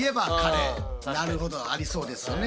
なるほどありそうですよね。